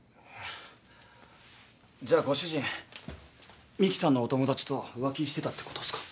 じゃあご主人美樹さんのお友達と浮気してたってことっすか？